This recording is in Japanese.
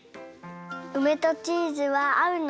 うめとチーズはあうの？